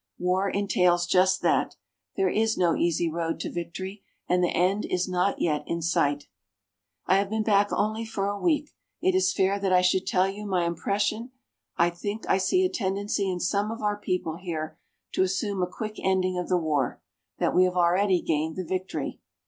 War entails just that. There is no easy road to victory. And the end is not yet in sight. I have been back only for a week. It is fair that I should tell you my impression. I think I see a tendency in some of our people here to assume a quick ending of the war that we have already gained the victory.